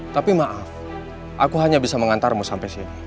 tapi maaf aku hanya bisa mengantarmu sampai sini